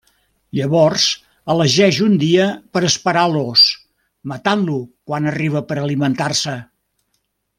Llavors elegeix un dia per esperar l'ós, matant-lo quan arriba per alimentar-se.